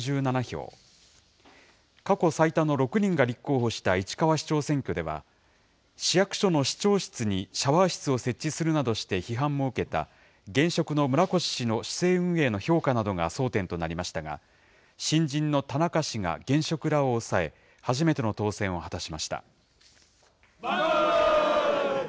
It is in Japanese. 立候補した市川市長選挙では市役所の市長室にシャワー室を設置するなどして批判も受けた現職の村越氏の市政運営の評価などが争点となりましたが、新人の田中氏が現職らを抑え、初めての当選万歳。